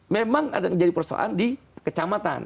memang ada yang jadi persoalan di kecamatan